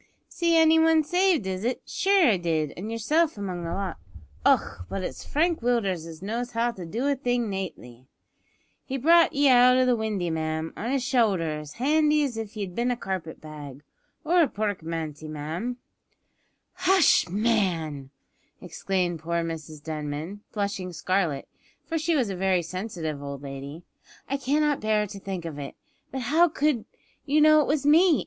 "See any one saved, is it? Shure, I did, an' yerself among the lot. Och! but it's Frank Willders as knows how to do a thing nately. He brought ye out o' the windy, ma'am, on his showlder as handy as if ye'd bin a carpet bag, or a porkmanty, ma'am " "Hush, man!" exclaimed poor Mrs Denman, blushing scarlet, for she was a very sensitive old lady; "I cannot bear to think of it. But how could you know it was me?